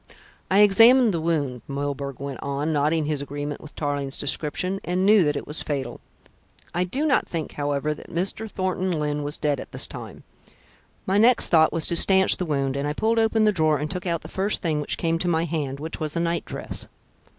"I examined the wound," Milburgh went on, nodding his agreement with Tarling's description, "and knew that it was fatal. I do not think, however, that Mr. Thornton Lyne was dead at this time. My next thought was to stanch the wound, and I pulled open the drawer and took out the first thing which came to my hand, which was a night dress.